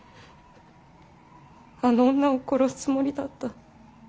あの女を殺すつもりだった。